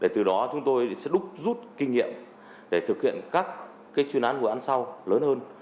từ đó chúng tôi sẽ đúc rút kinh nghiệm để thực hiện các chuyên án vụ án sau lớn hơn